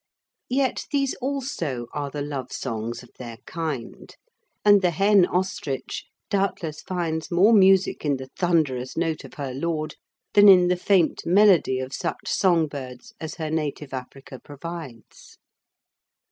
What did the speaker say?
Yet these also are the love songs of their kind, and the hen ostrich doubtless finds more music in the thunderous note of her lord than in the faint melody of such song birds as her native Africa provides.